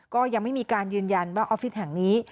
ก็ยังไม่มีการยืนยันว่าออฟฟิศแห่งนี้